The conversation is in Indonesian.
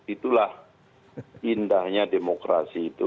itulah indahnya demokrasi itu